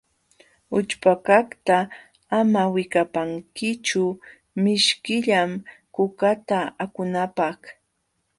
Ućhpakaqta amam wikapankichu, mishkillam kukata akunapq.